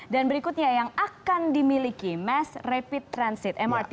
dan berikutnya yang akan dimiliki mass rapid transit mrt